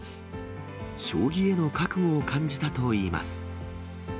将棋への覚悟を感じたといいます。